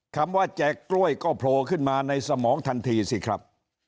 คำว่าแจกกล้วยก็โผล่ขึ้นมาในสมองทันทีสิครับ